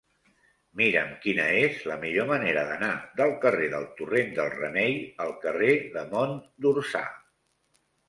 Mira'm quina és la millor manera d'anar del carrer del Torrent del Remei al carrer de Mont d'Orsà.